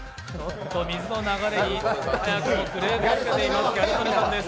水の流れに早くもクレームをつけているギャル曽根さんです。